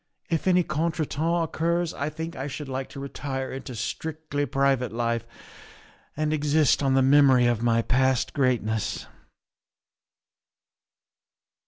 If any contretemps occurs I think I should like to retire into strictly private life and exist on the memory of my past greatness.